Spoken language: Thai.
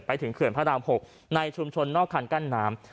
เขื่อนพระราม๖ในชุมชนนอกคันกั้นน้ำ